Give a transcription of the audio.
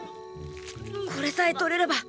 これさえ取れればァ！